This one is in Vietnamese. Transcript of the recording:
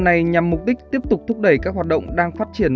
này nhằm mục đích tiếp tục thúc đẩy các hoạt động đang phát triển